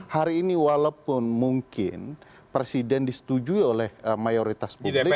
hari ini walaupun mungkin presiden disetujui oleh mayoritas publik